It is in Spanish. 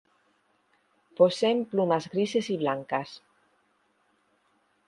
Poseen plumas grises y blancas.